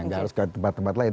nggak harus ke tempat tempat lain